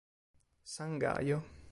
San Gaio